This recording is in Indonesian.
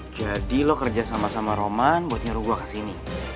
jadi lo kerja sama sama roman buat nyuruh gue kesini